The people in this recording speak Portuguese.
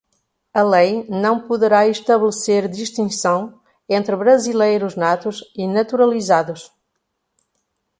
A lei não poderá estabelecer distinção entre brasileiros natos e naturalizados